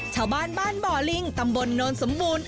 ชาวบ้านบ้านบ่อลิงตำบลโนนสมบูรณ์